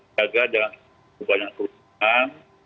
jaga dan kebanyakan perusahaan